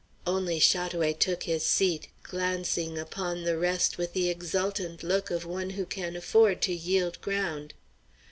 Only Chat oué took his seat, glancing upon the rest with the exultant look of one who can afford to yield ground.